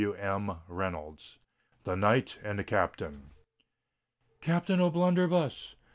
CHAPTER LXXV. THE KNIGHT AND THE CAPTAIN. "Captain O'Blunderbuss!"